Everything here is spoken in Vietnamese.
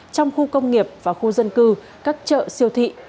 trong khu công nghiệp và khu dân cư các chợ siêu thị